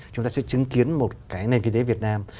chúng ta sẽ chứng kiến một cái nền kinh tế việt nam